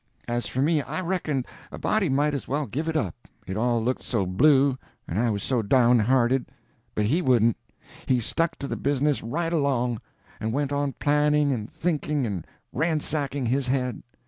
As for me, I reckoned a body might as well give it up, it all looked so blue and I was so downhearted; but he wouldn't. He stuck to the business right along, and went on planning and thinking and ransacking his head.